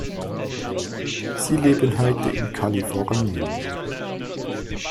Sie leben heute in Kalifornien.